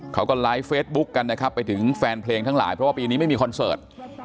เขาก็ไลฟ์เฟซบุ๊คกันนะครับไปถึงแฟนเพลงทั้งหลายเพราะว่าปีนี้ไม่มีคอนเสิร์ต